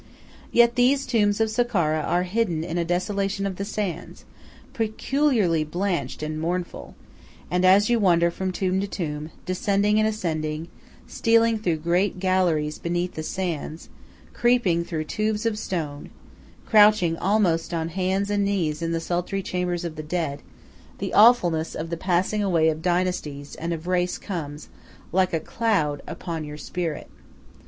Yet these tombs of Sakkara are hidden in a desolation of the sands, peculiarly blanched and mournful; and as you wander from tomb to tomb, descending and ascending, stealing through great galleries beneath the sands, creeping through tubes of stone, crouching almost on hands and knees in the sultry chambers of the dead, the awfulness of the passing away of dynasties and of race comes, like a cloud, upon your spirit.